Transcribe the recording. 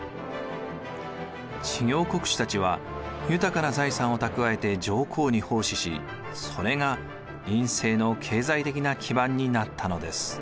知行国主たちは豊かな財産を蓄えて上皇に奉仕しそれが院政の経済的な基盤になったのです。